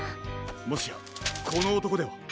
もしやこのおとこでは？